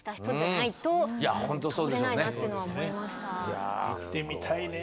いや行ってみたいね。